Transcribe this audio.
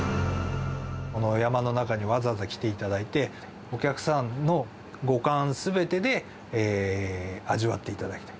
この山の中に、わざわざ来ていただいて、お客さんの五感すべてで味わっていただきたい。